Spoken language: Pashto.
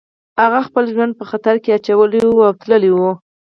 هغه خپل ژوند په خطر کې اچولی او وتلی و